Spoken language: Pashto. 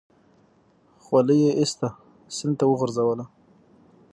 خولۍ يې ايسته سيند ته يې وگوزوله.